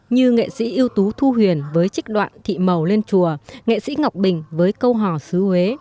như nghệ sĩ ưu tú thu huyền với trích đoạn thị màu lên chùa nghệ sĩ ngọc bình với câu hò xứ huế